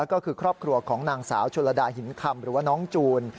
ก็คือครอบครัวของนางสาวชนลดาหินคำหรือว่าน้องจูน